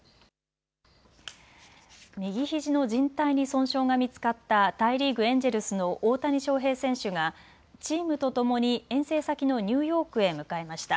右ひじのじん帯に損傷が見つかった大リーグ、エンジェルスの大谷翔平選手がチームとともに遠征先のニューヨークへ向かいました。